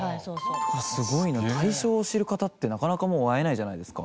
すごいな大正を知る方ってなかなかもう会えないじゃないですか。